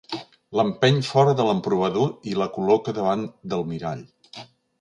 L'empeny fora de l'emprovador i la col·loca davant del mirall.